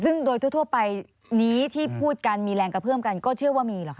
ซึ่งโดยทั่วไปนี้ที่พูดกันมีแรงกระเพื่อมกันก็เชื่อว่ามีหรอคะ